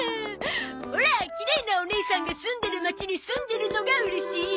オラきれいなおねいさんが住んでる町に住んでるのがうれしい！